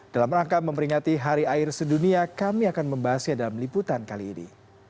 dalam rangka memperingati hari air sedunia kami akan membahasnya dalam liputan kali ini